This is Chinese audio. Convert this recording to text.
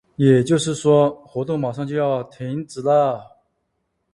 也就是说，活动马上就要停止了。